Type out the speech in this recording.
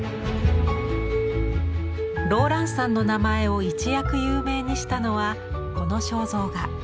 ローランサンの名前を一躍有名にしたのはこの肖像画。